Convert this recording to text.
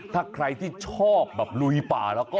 ถ้าใครที่ชอบแบบลุยป่าแล้วก็